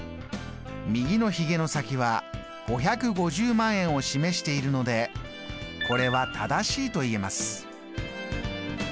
右のひげの先は５５０万円を示しているのでこれは正しいと言えます。